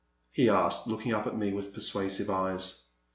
he asked, looking up at me with persuasive eyes.